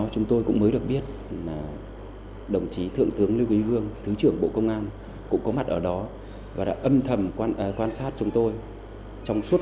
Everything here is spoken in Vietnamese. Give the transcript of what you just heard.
chúng tôi cũng lập tức là cũng dám định nắm